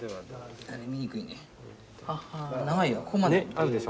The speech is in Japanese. あるでしょ。